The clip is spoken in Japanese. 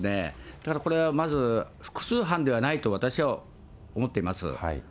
だからこれはまず、複数犯ではないと私は思っています。